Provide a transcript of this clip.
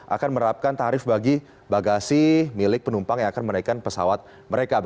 akan menerapkan tarif bagi bagasi milik penumpang yang akan menaikkan pesawat mereka